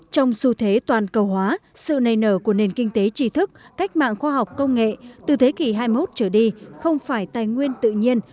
trong xu thế toàn cầu hóa sự này nở của nền kinh tế trí thức cách mạng khoa học công nghệ từ thế kỷ hai mươi một trở đi không phải tài nguyên tự nhiên